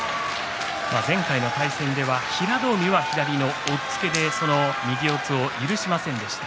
前回の対戦では平戸海は左の押っつけで右四つを許しませんでした。